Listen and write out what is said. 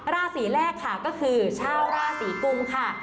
ราศีแรกค่ะก็คือชาวราศีกุมค่ะ